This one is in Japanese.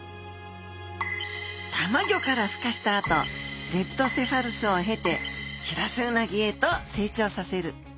たまギョからふ化したあとレプトセファルスを経てシラスウナギへと成長させる。